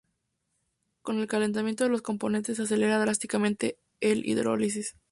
Con el calentamiento de los componentes se acelera drásticamente la hidrólisis.